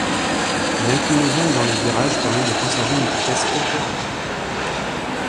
Une inclinaison dans les virages permet de conserver une vitesse élevée en courbe.